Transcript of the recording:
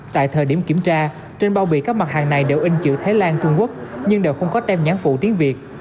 tại thời điểm kiểm tra trên bao bì các mặt hàng này đều in chữ thái lan trung quốc nhưng đều không có tem nhãn phụ tiếng việt